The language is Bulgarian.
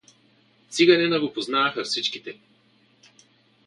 Циганина го познаваха всичките.